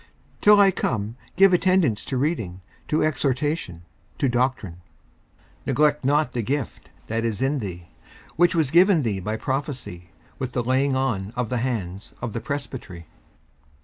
54:004:013 Till I come, give attendance to reading, to exhortation, to doctrine. 54:004:014 Neglect not the gift that is in thee, which was given thee by prophecy, with the laying on of the hands of the presbytery.